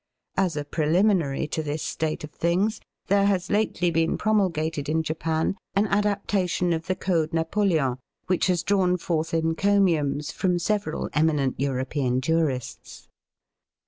As a preliminary to this state of things, there has lately been promulgated in Japan an adaptation of the Code Napoleon which has drawn forth encomiums from several eminent European jurists.